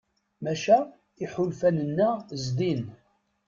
Maca iḥulfan-nneɣ zdin.